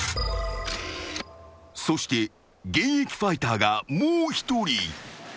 ［そして現役ファイターがもう一人］